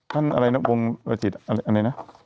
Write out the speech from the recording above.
ท่านอะไรนะวงระจิตอะไรนะ